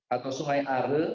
atau sungai are